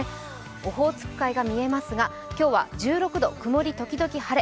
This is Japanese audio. オホーツク海が見えますが、今日は１６度、曇り時々晴れ。